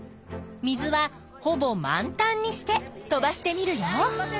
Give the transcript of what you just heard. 水は「ほぼ満タン」にして飛ばしてみるよ。